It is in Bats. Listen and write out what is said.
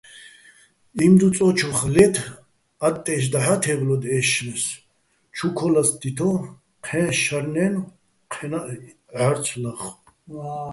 იმდუწო́ჩოხ ლე́თ-ე ა́ტტაჲში̆ დაჰ̦ა́ თე́ბლოდო̆ ე́შშმეს, ჩუ ქოლასტდითო̆, ჴეჼ შარნაჲნო̆ ჴენაჸ ჺა́რცო̆ ლახო̆.